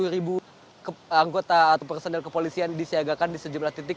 dua puluh ribu anggota atau personil kepolisian disiagakan di sejumlah titik